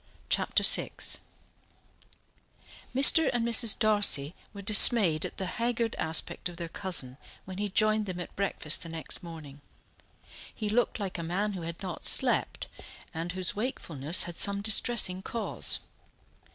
Chapter VI Mr. and Mrs. Darcy were dismayed at the haggard aspect of their cousin when he joined them at breakfast the next morning. He looked like a man who had not slept, and whose wakefulness had some distressing cause.